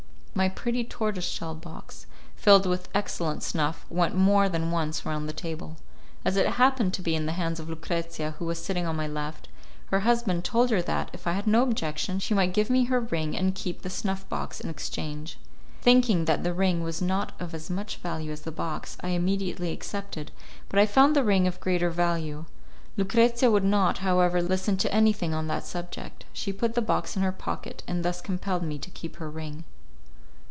My pretty tortoise shell box, filled with excellent snuff, went more than once round the table. As it happened to be in the hands of Lucrezia who was sitting on my left, her husband told her that, if I had no objection, she might give me her ring and keep the snuff box in exchange. Thinking that the ring was not of as much value as my box, I immediately accepted, but I found the ring of greater value. Lucrezia would not, however, listen to anything on that subject. She put the box in her pocket, and thus compelled me to keep her ring.